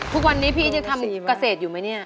ทุกวันนี้พี่ยังทำเกษตรอยู่ไหมเนี่ย